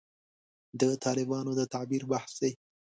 د طالبانو د تعبیر بحث دی.